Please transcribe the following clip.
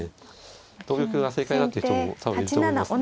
同玉が正解だって人も多分いると思います。